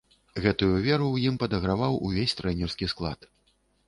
Гэтую веру ў ім падаграваў увесь трэнерскі склад.